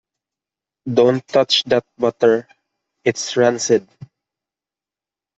Don't touch that butter. It's rancid!